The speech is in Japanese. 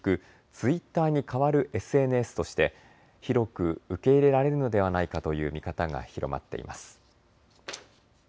ツイッターに代わるＳＮＳとして広く受け入れられるのではないかという見方が広まっています。